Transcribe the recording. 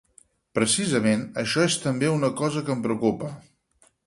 Precisament, això és també una cosa que em preocupa.